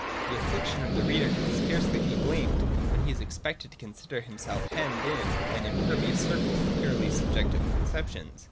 The affliction of the reader can scarcely be blamed when he is expected to consider himself hemmed in by an impervious circle of purely subjective conceptions.